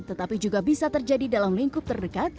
tetapi juga bisa terjadi dalam lingkup terdekat